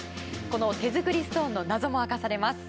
この手作りストーンの謎も明かされます。